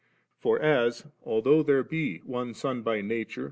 For as, although there be one Son by nature.